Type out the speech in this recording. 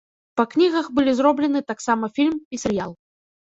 Па кнігах былі зроблены таксама фільм і серыял.